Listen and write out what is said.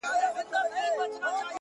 د ژوند پر هره لار چي ځم يوه بلا وينم_